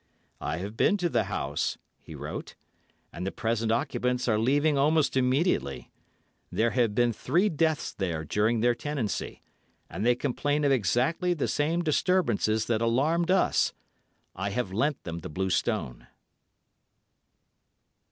"I have been to the house," he wrote, "and the present occupants are leaving almost immediately. There have been three deaths there during their tenancy, and they complain of exactly the same disturbances that alarmed us. I have lent them the blue stone."